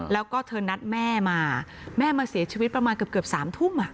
แล้วก็เธอนัดแม่มาแม่มาเสียชีวิตประมาณเกือบ๓ทุ่ม